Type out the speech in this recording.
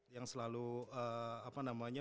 yang selalu apa namanya